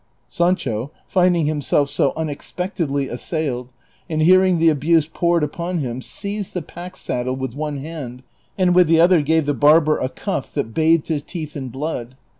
Sancho, finding himself so unexpectedly assailed, and hear ing the abuse poured upon him, seized the pack saddle with one hand, and with the other gave the barber a cuff that bathed his teeth in blood.